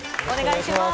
お願いします。